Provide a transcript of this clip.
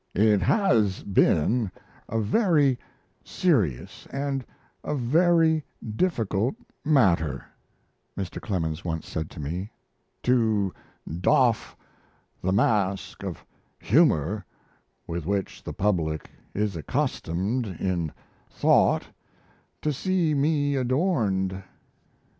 "It has been a very serious and a very difficult matter," Mr. Clemens once said to me, "to doff the mask of humour with which the public is accustomed, in thought, to see me adorned.